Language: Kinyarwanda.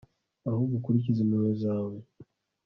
ahubwo ukurikize impuhwe zawe